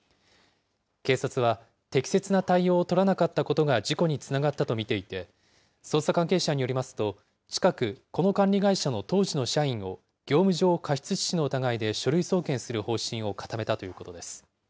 警察は、適切な対応を取らなかったことが事故につながったと見ていて、捜査関係者によりますと、近く、この管理会社の当時の社員を、業務上過失致死の疑いで書類送検する方針を固めたということです。